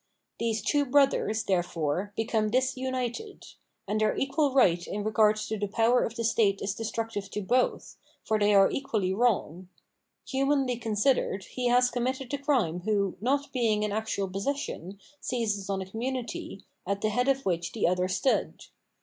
These two [brothers], therefore, become disimited ; and their eqnal right in regard to the power of the state is destructive to both, for they are equally wrong. Humanly considered, he has committed the crime who, not being in actual possession, seizes on the community, at the head of which the other stood.